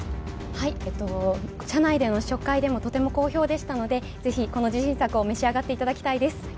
はい、社内での試食会でもとても好評でしたのでぜひ、この自信作を召し上がっていただきたいです。